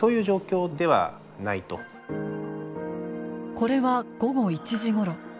これは午後１時ごろ。